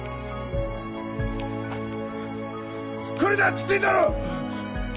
来るなっつってんだろ！